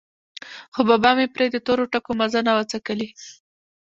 خو بابا مې پرې د تورو ټکو مزه نه وڅکلې.